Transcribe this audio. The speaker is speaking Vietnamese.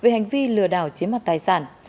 hoặc tài sản